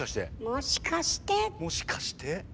もしかして！